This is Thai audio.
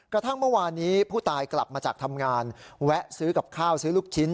กระทั่งเมื่อวานนี้ผู้ตายกลับมาจากทำงานแวะซื้อกับข้าวซื้อลูกชิ้น